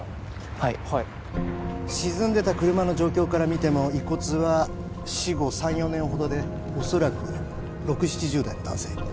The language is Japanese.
はいはい沈んでた車の状況からみても遺骨は死後３４年ほどでおそらく６０７０代の男性